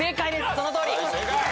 そのとおり。